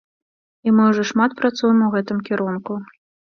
І мы ўжо шмат працуем у гэтым кірунку.